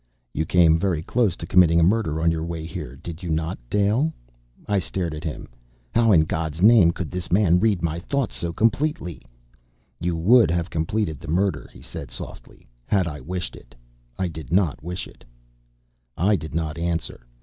"You came very close to committing a murder on your way here, did you not, Dale?" I stared at him. How, in God's name, could this man read my thoughts so completely? "You would have completed the murder," he said softly, "had I wished it. I did not wish it!" I did not answer.